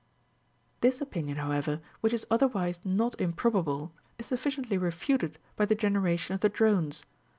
This opinion, however, which is otherwise not improbable, is sufficiently refuted by the generation of the drones.